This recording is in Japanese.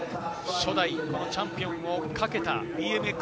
初代チャンピオンをかけたＢＭＸ